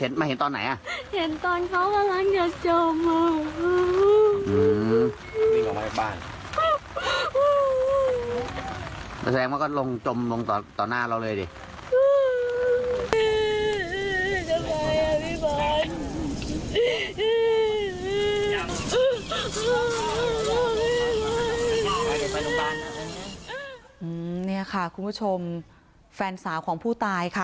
นี่ค่ะคุณผู้ชมแฟนสาวของผู้ตายค่ะ